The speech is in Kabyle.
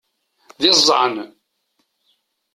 D iẓẓan!